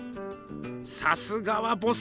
さすがはボス。